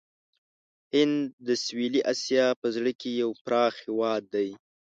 هند د سویلي آسیا په زړه کې یو پراخ هېواد دی.